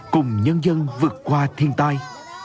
cùng nhân dân vượt qua thiên tai